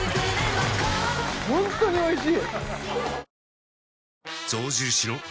ホントにおいしい！